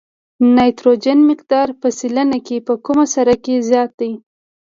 د نایتروجن مقدار په سلنه کې په کومه سره کې زیات دی؟